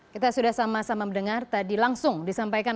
kita sudah sama sama mendengar tadi langsung disampaikan